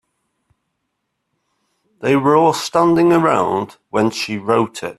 They were all standing around when she wrote it.